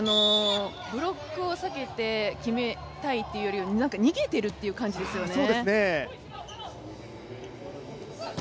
ブロックを避けて決めたいというよりは逃げているという感じですよね。